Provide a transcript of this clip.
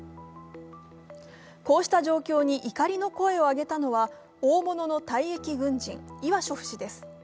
こうした状況に怒りの声を上げたのは大物の退役軍人、イワショフ氏です。